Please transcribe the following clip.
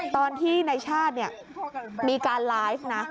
ตอนที่ในชาติมีการไลฟ์นะ